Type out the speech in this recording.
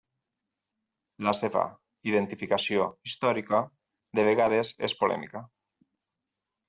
La seva identificació històrica de vegades és polèmica.